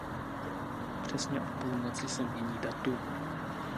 Přesně o půlnoci se mění datum.